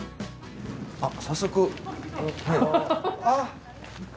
あっ早速。